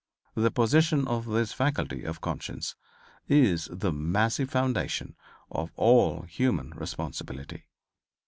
The possession of this faculty of conscience is the massive foundation of all human responsibility.